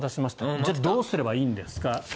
じゃあ、どうすればいいんですか？